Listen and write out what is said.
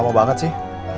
lama banget sih